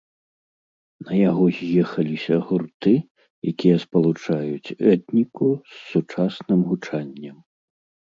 На яго з'ехаліся гурты, якія спалучаюць этніку з сучасным гучаннем.